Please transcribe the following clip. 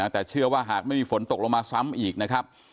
แต่เชื่อว่าหากไม่มีฝนตกลงมาซ้ำอีกนะครับ